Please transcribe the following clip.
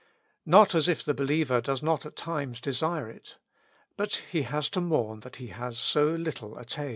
Not as if the believer does not at times desire it. But he has to mourn that he has so little attained.